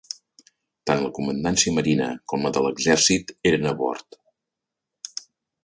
Tant la comandància marina com la de l'exèrcit eren a bord.